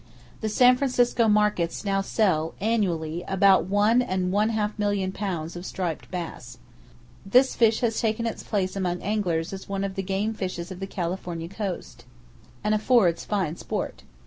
The San Francisco markets now sell, annually, about one and one half million pounds of striped bass. This fish has taken its place among anglers as one of the game fishes of the California coast, and affords fine sport.